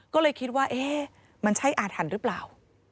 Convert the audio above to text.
ก็เลยคิดว่าเอ๊ะมันใช่อาถรรพ์หรือเปล่า